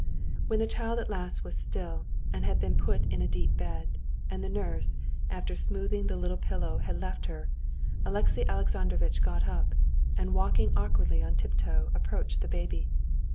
When the child at last was still, and had been put in a deep bed, and the nurse, after smoothing the little pillow, had left her, Alexey Alexandrovitch got up, and walking awkwardly on tiptoe, approached the baby.